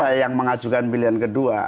siapa yang mengajukan pilihan kedua